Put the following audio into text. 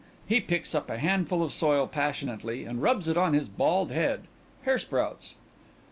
(_He picks up a handful of soil passionately and rubs it on his bald head. Hair sprouts.